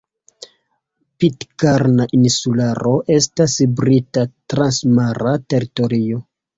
Pitkarna Insularo estas Brita transmara teritorio.